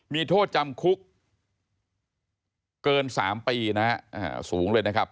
มีโทษจำคุกเกิน๓ปีนะฮะสูงเลยนะครับ